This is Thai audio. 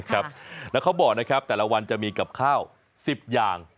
ครับแล้วเขาบอกนะครับแต่ละวันจะมีกับข้าว๑๐อย่าง